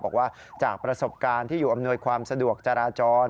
บอกว่าจากประสบการณ์ที่อยู่อำนวยความสะดวกจราจร